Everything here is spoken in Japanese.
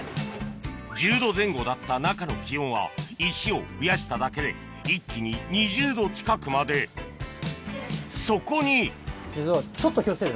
１０℃前後だった中の気温は石を増やしただけで一気に２０℃近くまでそこにちょっと気を付けて